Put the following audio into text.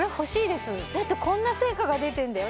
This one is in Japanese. だってこんな成果が出てんだよ